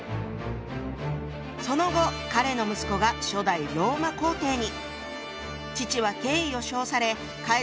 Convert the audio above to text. その後彼の息子が初代ローマ皇帝に。